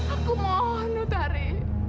aku mohon utari